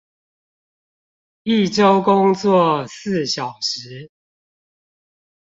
一週工作四小時